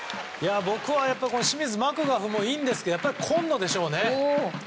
僕はやっぱり清水、マクガフもいいんですけどやっぱり今野でしょうね。